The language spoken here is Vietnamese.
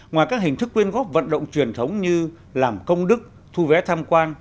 ngoài các hình thức nguyên gốc vận động truyền thống như làm công đức thu vé tham quan